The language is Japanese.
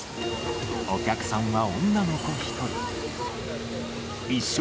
お客さんは女の子１人。